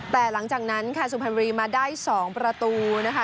แต่หลังจากนั้นค่ะสุพรรณบุรีมาได้๒ประตูนะคะ